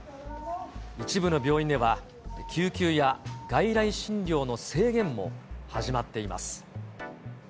一部の病院では、救急や外来診療の制限も始まっています。